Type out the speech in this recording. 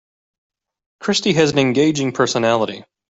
Christy has an engaging personality.